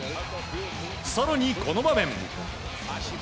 更に、この場面。